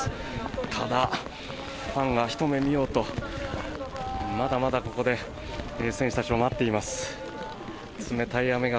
ただ、ファンはひと目見ようとまだまだここで選手たちを待っています。